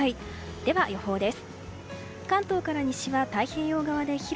では予報です。